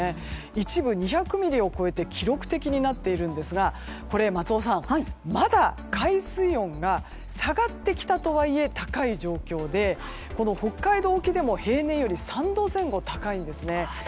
一部２００ミリを超えて記録的になっているんですが松尾さん、まだ海水温が下がってきたとはいえ高い状況で北海道沖でも平年より３度前後高いんですね。